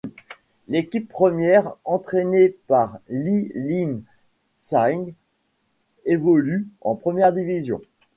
L'équipe première, entraînée par Lee Lim Saeng, évolue en première division.